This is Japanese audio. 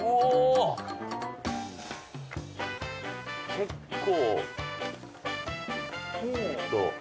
結構。